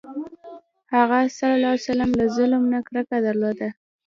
هغه ﷺ له ظلم نه کرکه درلوده.